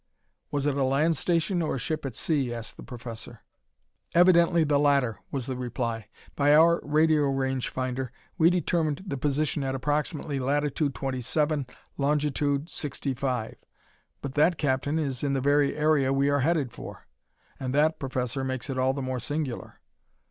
"Was it a land station or a ship at sea?" asked the professor. "Evidently the latter," was the reply. "By our radio range finder, we determined the position at approximately latitude 27, longitude 65." "But that, Captain, is in the very area we are headed for." "And that, Professor, makes it all the more singular."